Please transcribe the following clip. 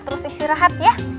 terus istirahat ya